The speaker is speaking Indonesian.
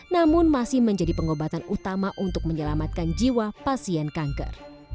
namun masih menjadi pengobatan utama untuk menyelamatkan jiwa pasien kanker